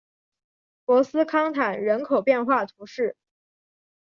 博斯康坦人口变化图示